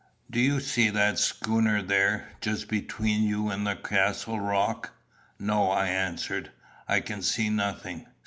"Do you see that schooner there, just between you and the Castle rock?" "No," I answered; "I can see nothing.